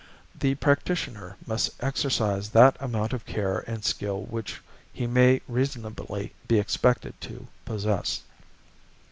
The practitioner must exercise that amount of care and skill which he may reasonably be expected to possess.